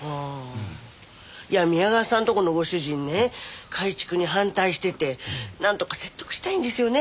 いや宮川さんとこのご主人ね改築に反対しててなんとか説得したいんですよね。